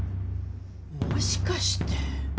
もしかして。